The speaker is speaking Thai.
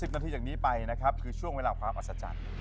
นาทีจากนี้ไปนะครับคือช่วงเวลาความอัศจรรย์